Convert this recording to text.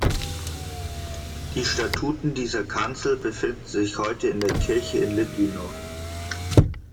Die Statuen dieser Kanzel befinden sich heute in der Kirche in Litvínov.